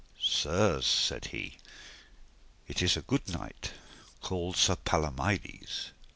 Sirs, said he, it is a good knight called Sir Palomides.